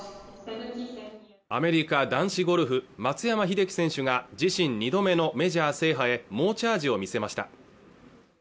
アメリカ男子ゴルフ松山英樹選手が自身２度目のメジャー制覇へ猛チャージを見せました